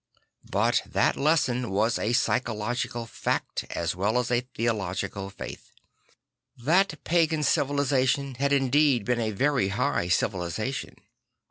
But that lesson was a psychological fact as well as a theological faith. That pagan civilisation had indeed been a very high civilisation.